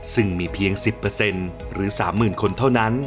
ซึ่งมีเพียง๑๐หรือ๓๐๐๐คนเท่านั้น